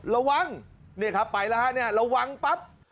ระวังเนี่ยครับไปแล้วระวังปั๊บ